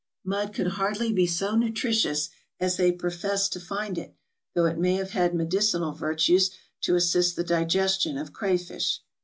Mud could hardly be so nutritious as they professed to find it, though it may have had medicinal virtues to assist the digestion of crayfish.